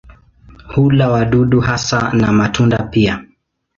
Hula wadudu hasa na matunda pia.